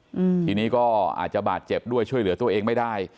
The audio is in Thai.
อืมทีนี้ก็อาจจะบาดเจ็บด้วยช่วยเหลือตัวเองไม่ได้